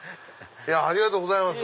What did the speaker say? ありがとうございます。